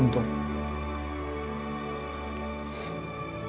ibu mengurus kamu